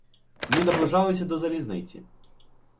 Ми наближалися до залізниці.